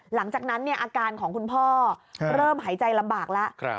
หลังจากนั้นอาการของคุณพ่อเริ่มหายใจลำบากแล้ว